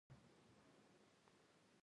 ټوپک او برېت دوى ته د فرض و سنت حيثيت لري.